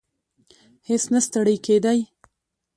هیڅ نه ستړی کېدی.